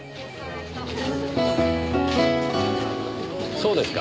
そうですか。